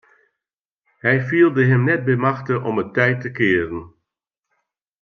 Hy fielde him net by machte om it tij te kearen.